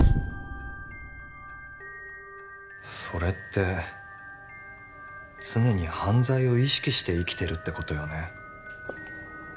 それって常に犯罪を意識して生きてるってことよね？